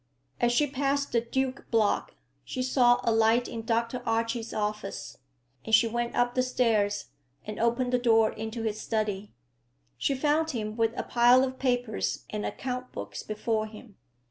As she passed the Duke Block, she saw a light in Dr. Archie's office, and she went up the stairs and opened the door into his study. She found him with a pile of papers and accountbooks before him.